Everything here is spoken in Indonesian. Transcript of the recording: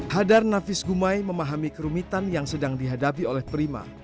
hadar nafis gumai memahami kerumitan yang sedang dihadapi oleh prima